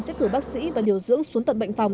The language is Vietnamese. sẽ cử bác sĩ và điều dưỡng xuống tận bệnh phòng